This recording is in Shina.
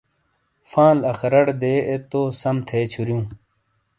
فال آخارا ڑے دے اے تو سم تھے چھوریوں۔